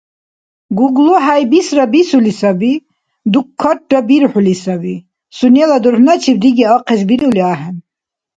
ГуглахӀяй бисра бисули саби, дукаррабирхӀули саби. Сунела дурхӀначиб диги ахъес бирули ахӀен.